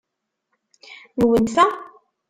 Nwent ta?